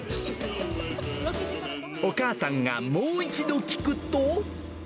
お母さんがもう一度聞くと。